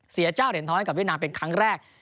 เสียเจ้าเหรียญทองให้กับวิทนาเป็นครั้งแรก